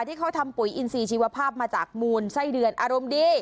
ที่เขาทำปุ๋ยอินซีชีวภาพมาจากมูลไส้เดือนอารมณ์ดี